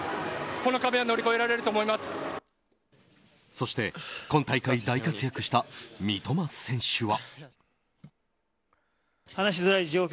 そして今大会、大活躍した三笘選手は。